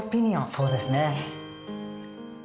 そうですね。